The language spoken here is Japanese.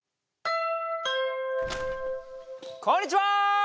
こんにちは！